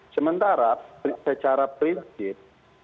sementara secara prinsip